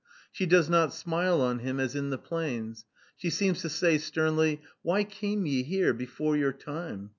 She does not smile on him as in the plains. She seems to say sternly, Why came ye here before your time.